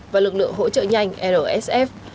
và lực lượng hỗ trợ nhanh rsf